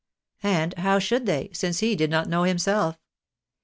And how should they, since he did not know himself?